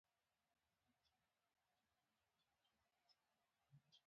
ستړیا، بې تفاوتي او بې پروایي له مینځه وړي.